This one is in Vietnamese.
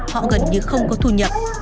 họ gần như không có thu nhập